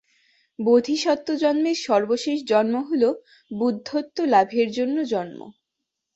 বোধিসত্ত্ব জন্মের সর্বশেষ জন্ম হল বুদ্ধত্ব লাভের জন্য জন্ম।